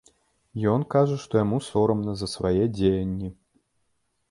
Ён кажа, што яму сорамна за свае дзеянні.